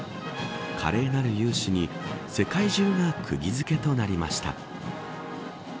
華麗なる雄姿に世界中がくぎづけとなりました。